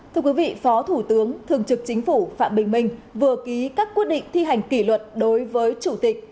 thưa quý vị phó thủ tướng thường trực chính phủ phạm bình minh vừa ký các quyết định thi hành kỷ luật đối với chủ tịch